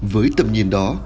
với tầm nhìn đó